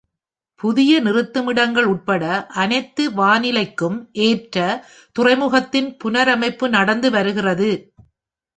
புதிய நிறுத்துமிடங்கள் உட்பட அனைத்து வானிலைக்கும் ஏற்ற துறைமுகத்தின் புனரமைப்பு நடந்து வருகிறது.